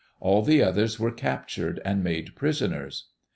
All the others were cap tured and made prisoners.